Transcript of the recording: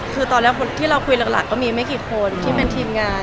คือตอนแรกที่เราคุยหลักก็มีไม่กี่คนที่เป็นทีมงาน